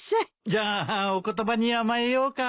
じゃあお言葉に甘えようか。